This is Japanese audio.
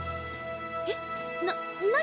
えっなっ何？